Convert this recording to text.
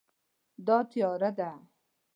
دا تیاره ده